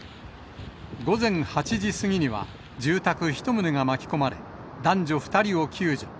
午前８時過ぎには、住宅１棟が巻き込まれ、男女２人を救助。